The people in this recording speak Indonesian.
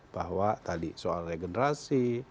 bahwa tadi soal regenerasi